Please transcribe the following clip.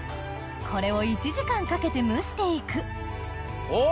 これを１時間かけて蒸して行くお！